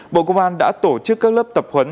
bộ công an đã tổ chức các lớp tập huấn